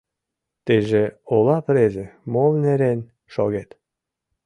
— Тыйже, Ола презе, мом нерен шогет?